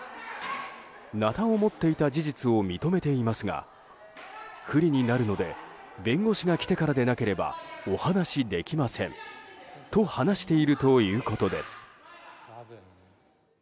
なたを持っていた事実を認めていますが不利になるので弁護士が来てからでなければお話しできませんと話しているということです。